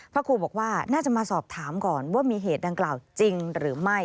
พระครูบอกว่าน่าจะมาสอบถามก่อนว่ามีเหตุดังกล่าวจริงหรือไม่